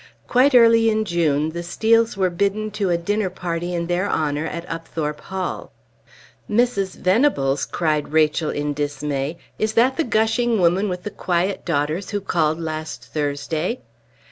Quite early in June, the Steels were bidden to a dinner party in their honor at Upthorpe Hall. "Mrs. Venables!" cried Rachel, in dismay. "Is that the gushing woman with the quiet daughters who called last Thursday?"